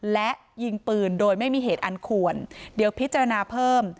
และยิงปืนโดยไม่มีเหตุอันควรเดี๋ยวพิจารณาเพิ่ม